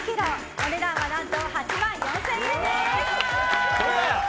お値段は８万４０００円です。